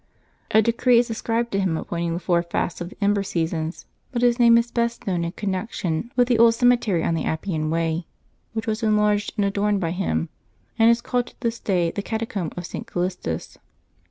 A decree is ascribed to him appointing the four fasts of the Ember seasons, but his name is best known in connection with the old cemetery on the Appian Way, which was enlarged and adorned by him, and is called to this day the Catacomb of St. Callistus.